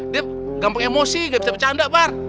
dia gampang emosi gak bisa bercanda bar